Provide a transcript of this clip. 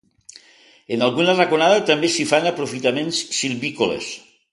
En alguna raconada també s’hi fan aprofitaments silvícoles.